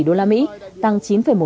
đô la mỹ tăng chín một